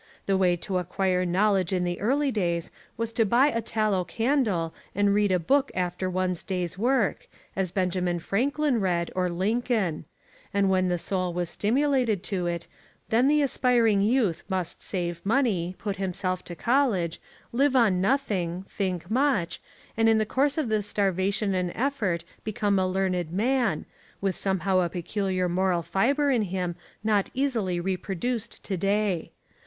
The way to acquire knowledge in the early days was to buy a tallow candle and read a book after one's day's work, as Benjamin Franklin read or Lincoln: and when the soul was stimulated to it, then the aspiring youth must save money, put himself to college, live on nothing, think much, and in the course of this starvation and effort become a learned man, with somehow a peculiar moral fibre in him not easily reproduced to day.